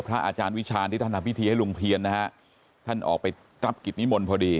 อาจารย์วิชาณที่ท่านทำพิธีให้ลุงเพียรนะฮะท่านออกไปรับกิจนิมนต์พอดี